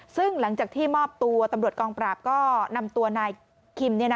ซึ่งหลังจากที่มอบตัวตำรวจกองปราบก็นำตัวนายคิม